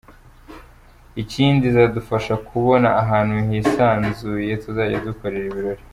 Ikindi izadufasha kubona ahantu hisanzuye tuzajya dukorera ibirori.